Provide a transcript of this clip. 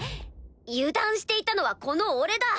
油断していたのはこの俺だ。